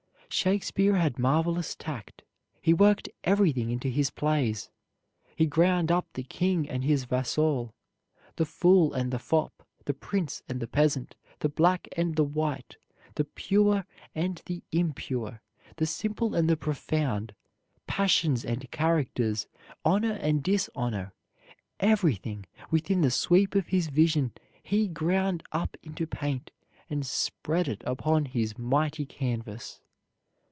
Shakespeare had marvelous tact; he worked everything into his plays. He ground up the king and his vassal, the fool and the fop, the prince and the peasant, the black and the white, the pure and the impure, the simple and the profound, passions and characters, honor and dishonor, everything within the sweep of his vision he ground up into paint and spread it upon his mighty canvas.